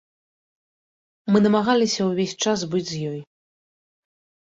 Мы намагаліся ўвесь час быць з ёй.